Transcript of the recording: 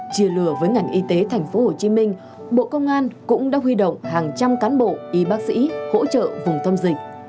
chia lừa với ngành y tế thành phố hồ chí minh bộ công an cũng đã huy động hàng trăm cán bộ y bác sĩ hỗ trợ vùng thâm dịch